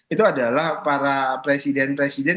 itu adalah para presiden presiden